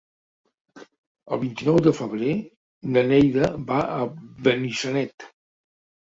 El vint-i-nou de febrer na Neida va a Benissanet.